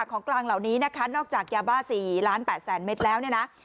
ของกลางเหล่านี้นะคะนอกจากยาบ้า๔ล้าน๘แสนเมตรแล้วเนี่ยนะ